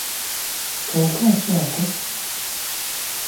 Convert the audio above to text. Kawuka ki ako?